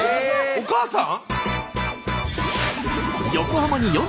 お母さん？